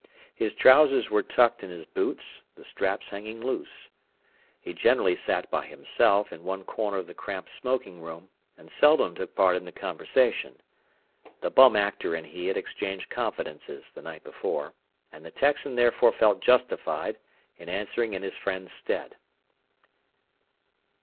His trousers were tucked in his boots, the straps hanging loose. He generally sat by himself in one corner of the cramped smoking room, and seldom took part in the conversation. The Bum Actor and he had exchanged confidences the night before, and the Texan therefore felt justified in answering in his friend's stead.